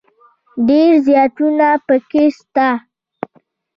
ډېر زياتونه پکښي سته.